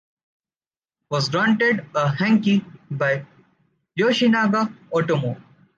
was granted a henki by Yoshinaga Otomoe.